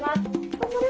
頑張れ！